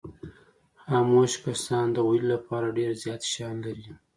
خاموش کسان د ویلو لپاره ډېر زیات شیان لري.